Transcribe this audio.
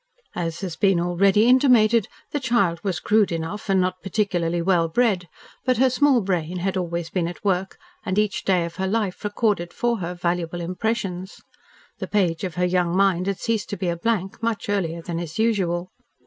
As has been already intimated, the child was crude enough and not particularly well bred, but her small brain had always been at work, and each day of her life recorded for her valuable impressions. The page of her young mind had ceased to be a blank much earlier than is usual.